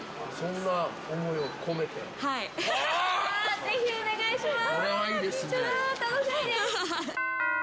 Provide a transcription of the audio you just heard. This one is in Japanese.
ぜひお願いします！